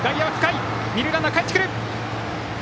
二塁ランナー、かえってくる！